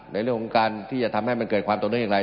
ในเรื่องของการที่จะทำให้มันเกิดความต่อเนื่องอย่างไร